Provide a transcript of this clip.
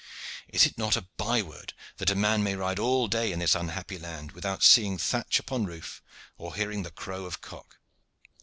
Is it not a by word that a man may ride all day in that unhappy land without seeing thatch upon roof or hearing the crow of cock?